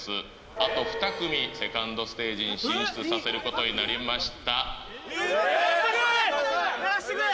あと２組セカンドステージに進出させることになりましたやらせてくれ！